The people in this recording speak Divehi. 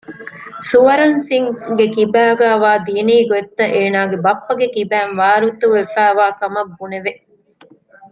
ސުވަރަންސިންގ ގެ ކިބައިގައިވާ ދީނީ ގޮތްތައް އޭނާގެ ބައްޕަގެ ކިބައިން ވާރުތަވެފައިވާ ކަމަށް ބުނެވެ